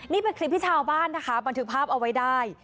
นี่เป็นคลิปที่ชาวบ้านนะคะบันทึกภาพเอาไว้ได้